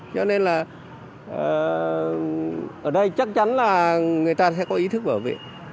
cho nên là ở đây chắc chắn là người ta sẽ có ý thức bảo vệ